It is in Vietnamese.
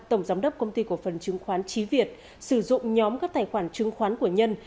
tổng giám đốc công ty cổ phần chứng khoán trí việt sử dụng nhóm các tài khoản chứng khoán của nhân